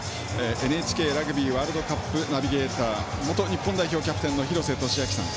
ＮＨＫラグビーワールドカップナビゲーター元日本代表キャプテンの廣瀬俊朗さん。